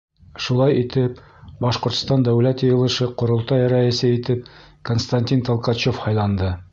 Шулай итеп, Башҡортостан Дәүләт Йыйылышы — Ҡоролтай Рәйесе итеп Константин Толкачев һайланды.